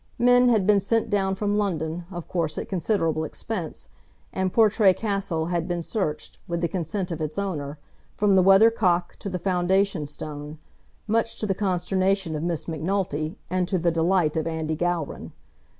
Men had been sent down from London, of course at considerable expense, and Portray Castle had been searched, with the consent of its owner, from the weathercock to the foundation stone, much to the consternation of Miss Macnulty, and to the delight of Andy Gowran.